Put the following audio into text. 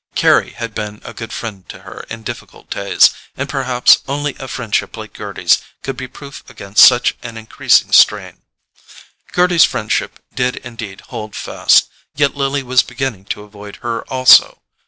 Carry had been a good friend to her in difficult days, and perhaps only a friendship like Gerty's could be proof against such an increasing strain. Gerty's friendship did indeed hold fast; yet Lily was beginning to avoid her also.